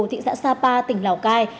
thị xã sa pa tỉnh lào cai